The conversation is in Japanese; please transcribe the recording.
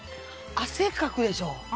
汗かくでしょ